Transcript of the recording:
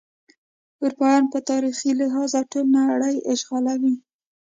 اروپایان په تاریخي لحاظ ټوله نړۍ اشغالوي.